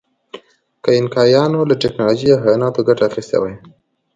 که اینکایانو له ټکنالوژۍ او حیواناتو ګټه اخیستې وای.